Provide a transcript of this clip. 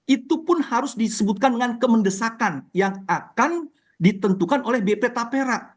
itu pun harus disebutkan dengan kemendesakan yang akan ditentukan oleh bp tapera